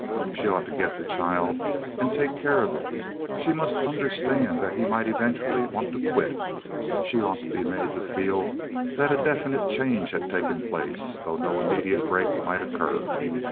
She ought to get the child and take care of it. She must understand that he might eventually want to quit. She ought to be made to feel that a definite change had taken place, though no immediate break might occur.